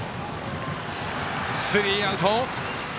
スリーアウト。